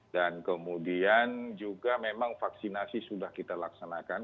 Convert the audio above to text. dan kemudian juga memang vaksinasi sudah kita laksanakan